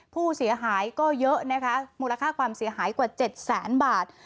ผู้เสียหายก็เยอะนะคะมูลค่าความเสียหายกว่า๗แสนบาท